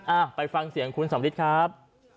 อ่ะไปฟังเสียงคุณสำริทครับ